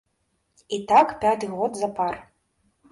І так пяты год запар.